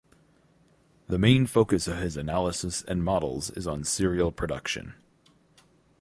The main focus of his analysis and models is on cereal production.